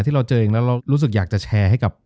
ที่เราเจอเองแล้วเรารู้สึกอยากจะแชร์ให้กับ